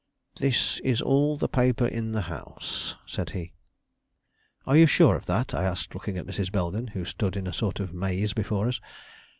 "This is all the paper in the house," said he. "Are you sure of that?" I asked, looking at Mrs. Belden, who stood in a sort of maze before us.